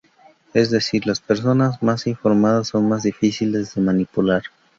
Es decir, las personas más informadas son más difíciles de manipular.